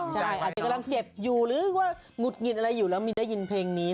ใช่อาจจะกำลังเจ็บอยู่หรือว่าหงุดหงิดอะไรอยู่แล้วมีได้ยินเพลงนี้